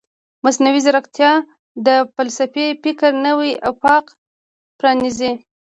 مصنوعي ځیرکتیا د فلسفي فکر نوی افق پرانیزي.